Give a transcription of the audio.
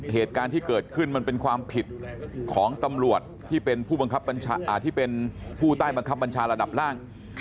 เหตุการณ์ที่เกิดขึ้นมันเป็นความผิดของตำรวจที่เป็นผู้ที่เป็นผู้ใต้บังคับบัญชาระดับล่าง